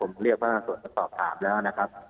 ผมเรียกว่าส่วนตอบถามแล้วนะครับ